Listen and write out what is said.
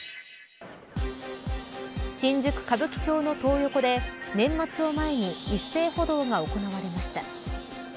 新宿、歌舞伎町のトー横で年末を前に一斉補導が行われました。